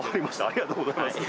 ありがとうございます。